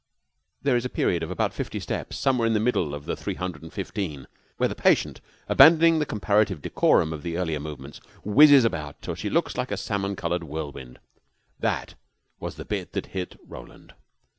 There is a period of about fifty steps somewhere in the middle of the three hundred and fifteen where the patient, abandoning the comparative decorum of the earlier movements, whizzes about till she looks like a salmon colored whirlwind. That was the bit that hit Roland.